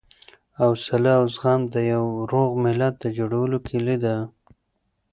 حوصله او زغم د یوه روغ ملت د جوړولو کیلي ده.